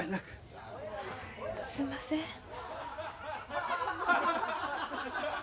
すんません。